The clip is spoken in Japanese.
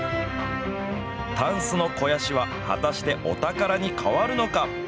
タンスの肥やしは、果たしてお宝に変わるのか。